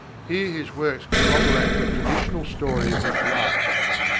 Here his works corroborate the traditional story of his life.